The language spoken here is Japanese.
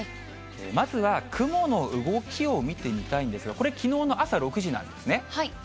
まずは雲の動きを見てみたいんですが、これ、きのうの朝６時なんですね。